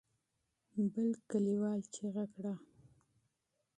بل کليوال چيغه کړه.